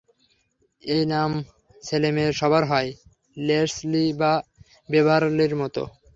এই নাম ছেলে-মেয়ে সবার হয়, লেসলি বা বেভারলির মতো।